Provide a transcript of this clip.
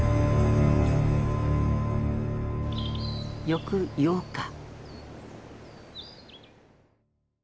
翌８日。